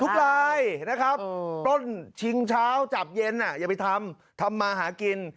ลายนะครับปล้นชิงเช้าจับเย็นอย่าไปทำทำมาหากิน